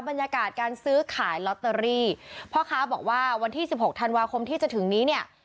บรรยากาศการซื้อขายลอตเตอรี่พ่อค้าบอกว่าวันที่สิบหกธันวาคมที่จะถึงนี้เนี่ย